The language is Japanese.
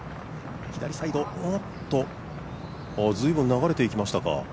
左サイド、ずいぶん、流れていきましたか。